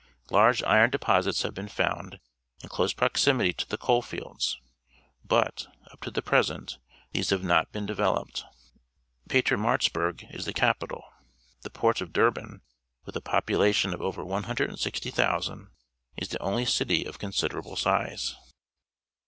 . Large i ron depos its have been found in close prox imity to the coal fields, but, up to the present, these have not been developed. Pii^iiiiaritzbjjxg is the capital. The port . of Durban , with a population of over 160,000, is the only city of considerable size.